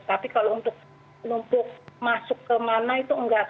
tapi kalau untuk numpuk masuk kemana itu enggak